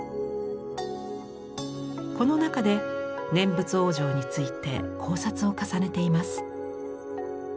この中で念仏往生について考察を重ねています。